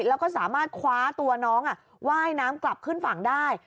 แล้วก็สามารถคว้าตัวน้องว่ายน้ำกลับขึ้นฝั่งได้